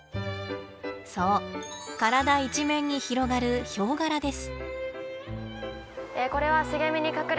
そう体一面に広がるヒョウ柄です。